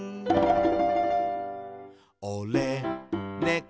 「おれ、ねこ」